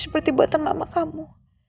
seperti buatan mama kamu